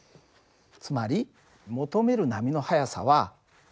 つまり求める波の速さはυ。